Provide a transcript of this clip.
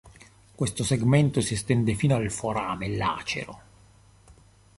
Questo segmento si estende fino al forame lacero.